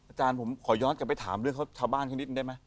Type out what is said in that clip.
อาจารย์ผมขอย้อนกลับไปถามเรื่องชาวบ้านเขานิดได้ไหม